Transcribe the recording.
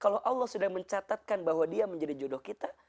kalau allah sudah mencatatkan bahwa dia menjadi jodoh kita